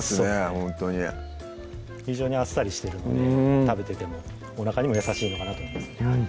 ほんとに非常にあっさりしてるので食べててもおなかにも優しいのかなと思います